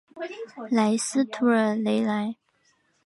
莱斯图尔雷莱。